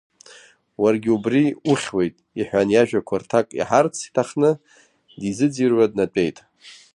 Уаргьы убри ухьуеит, — иҳәан иажәақәа рҭак иаҳарц иҭахны дизыӡырҩуа днатәеит.